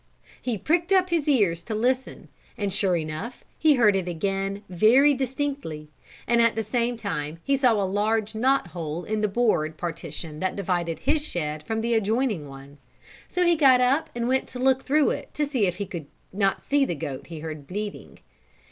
He pricked up his ears to listen and sure enough he heard it again very distinctly, and at the same time he saw a large knot hole in the board partition that divided his shed from the adjoining one, so he got up and went to look through it to see if he could not see the goat he heard bleating.